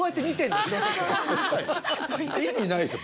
意味ないですよ